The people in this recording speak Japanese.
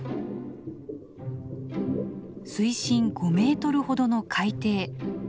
水深５メートルほどの海底。